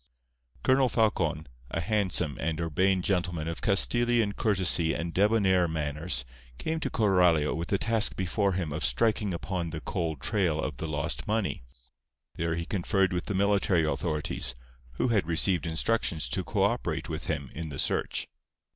Colonel Falcon, a handsome and urbane gentleman of Castilian courtesy and débonnaire manners, came to Coralio with the task before him of striking upon the cold trail of the lost money. There he conferred with the military authorities, who had received instructions to co operate with him in the search.